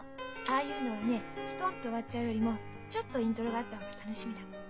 ああいうのはねストンと終わっちゃうよりもちょっとイントロがあった方が楽しみだもん。